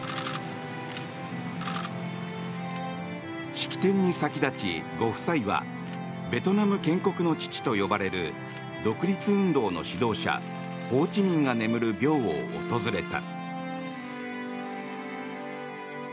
式典に先立ち、ご夫妻はベトナム建国の父と呼ばれる独立運動の指導者ホー・チ・ミンが眠る廟を訪れた。